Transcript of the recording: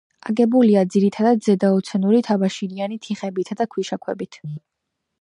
აგებულია ძირითადად ზედაეოცენური თაბაშირიანი თიხებითა და ქვიშაქვებით.